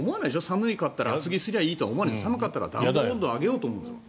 寒かったら厚着すればいいとか寒かったら暖房の温度を上げようと思う。